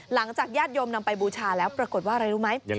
ญาติโยมนำไปบูชาแล้วปรากฏว่าอะไรรู้ไหม